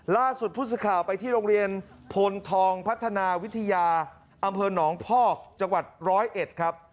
ล่าสุดผู้สื่อข่าวไปที่โรงเรียนพลทองพัฒนาวิทยาอำเภอหนองพอกจังหวัดร้อยเอ็ดครับ